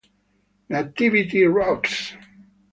Nativity Rocks!